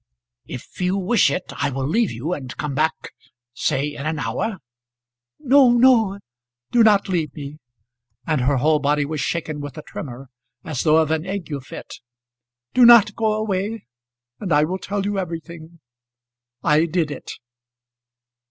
"If you wish it I will leave you, and come back, say in an hour." "No, no; do not leave me." And her whole body was shaken with a tremour, as though of an ague fit. "Do not go away, and I will tell you everything. I did it."